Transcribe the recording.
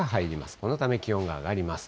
このため気温が上がります。